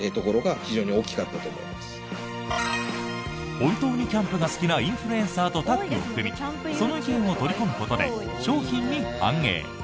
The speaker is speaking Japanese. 本当にキャンプが好きなインフルエンサーとタッグを組みその意見を取り込むことで商品に反映。